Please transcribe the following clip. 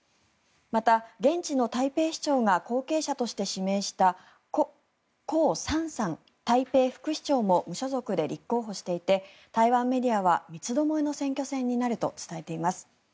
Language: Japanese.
また、現地の台北市長が後継者として指名したコウ・サンサン台北副市長も無所属で立候補していて台湾メディアは三つどもえの選挙戦になると伝えています。